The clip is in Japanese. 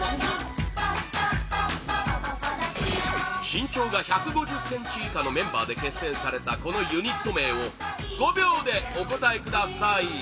身長が１５０ｃｍ以下のメンバーで結成されたこのユニット名を５秒でお答えください！